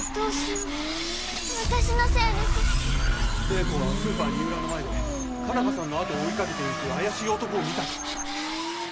英子はスーパー二浦の前で佳奈花さんの後を追いかけていく怪しい男を見たと。